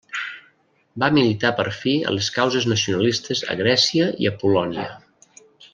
Va militar per fi a les causes nacionalistes a Grècia i a Polònia.